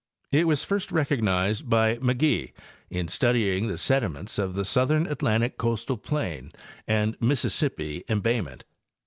It was first recognized by McGee in studying the sediments of the southern Atlantic coastal plain and Mississippi embayment.